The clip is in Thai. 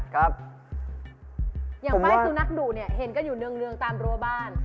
อย่างป้ายสุนัขดุเนี่ยเห็นกันอยู่เนืองตามรั้วบ้าน